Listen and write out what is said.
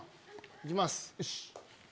行きます！